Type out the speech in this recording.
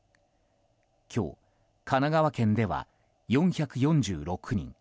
今日、神奈川県では４４６人